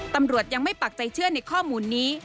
ตำรวจยังไม่ปักใจเชื่อในข้อมูลนี้